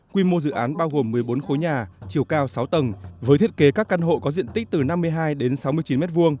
quy mô dự án bao gồm một mươi bốn khối nhà chiều cao sáu tầng với thiết kế các căn hộ có diện tích từ năm mươi hai đến sáu mươi chín m hai